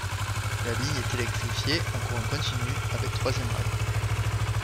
La ligne est électrifiée en courant continu avec troisième rail.